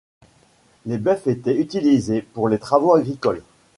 Les bœufs étaient utilisés pour les travaux agricoles.